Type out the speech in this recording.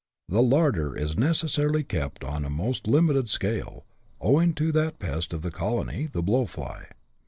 The larder is necessarily kept on a most limited scale, owing to that pest of the colony, the blow fly.